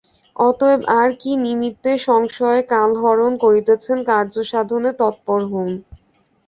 অতএব আর কি নিমিত্তে সংশয়ে কালহরণ করিতেছেন কার্যসাধনে তৎপর হউন।